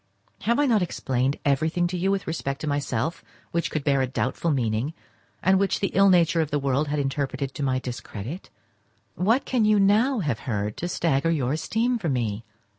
Have I not explained everything to you with respect to myself which could bear a doubtful meaning, and which the ill nature of the world had interpreted to my discredit? What can you now have heard to stagger your esteem for me?